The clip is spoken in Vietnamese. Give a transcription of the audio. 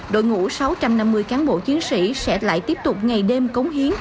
đội ngũ sáu trăm năm mươi cán bộ chiến sĩ sẽ lại tiếp tục ngày đêm cống hiến